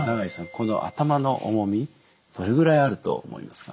この頭の重みどれぐらいあると思いますか？